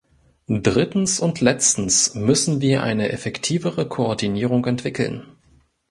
Drittens und letztens müssen wir eine effektivere Koordinierung entwickeln.